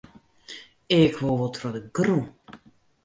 Ik woe wol troch de grûn.